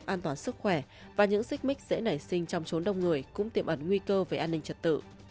an toàn sức khỏe và những xích mích dễ nảy sinh trong chốn đông người cũng tiệm ẩn nguy cơ về an ninh trật tự